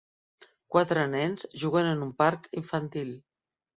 Quatre nens juguen en un parc infantil